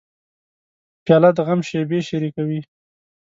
پیاله د غم شېبې شریکوي.